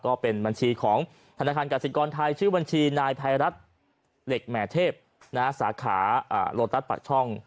ก็เป็นบัญชีของธนาคารกราศีกรไทยชื่อบัญชีนายไพรส์เหล็กแม่เทพนะสาขาเอกฝั่ง